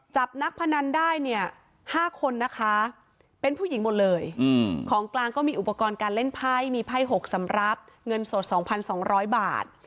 จับนักพนันได้เนี่ย๕คนนะคะเป็นผู้หญิงหมดเลยของกลางก็มีอุปกรณ์การเล่นไพ่มีไพ่๖สำรับเงินสด๒๒๐๐บาท